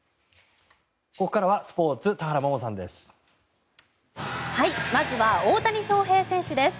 ここからはスポーツ田原萌々さんです。